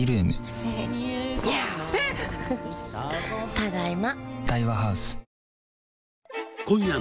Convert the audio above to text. ただいま。